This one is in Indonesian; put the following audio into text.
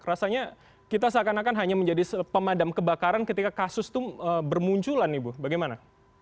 rasanya kita seakan akan hanya menjadi pemadam kebakaran ketika kasus itu bermunculan nih ibu bagaimana